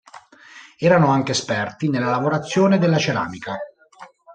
Erano anche esperti nella lavorazione della ceramica.